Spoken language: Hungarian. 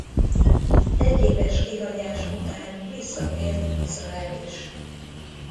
Egyéves kihagyás után visszatért Izrael is.